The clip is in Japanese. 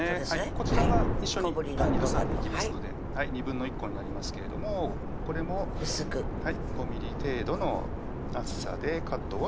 こちらは一緒にパンに挟んでいきますので１／２個になりますけれどもこれも５ｍｍ程度の厚さでカットをしていきます